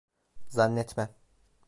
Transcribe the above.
Zannetmem…